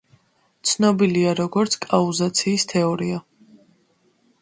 ცნობილია როგორც, კაუზაციის თეორია.